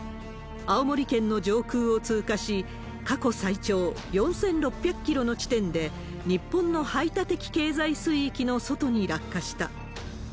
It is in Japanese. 青森県の上空を通過し、過去最長４６００キロの地点で、日本の排他的経済水域の外に落下した。